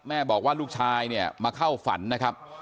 แม่บอกว่าลูกชายเนี่ยมาเข้าฝันนะครับ